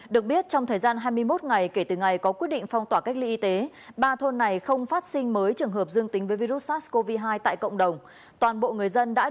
để đảm bảo cho cộng đồng người dân